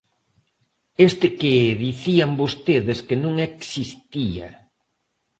Este que dicían vostedes que non existía.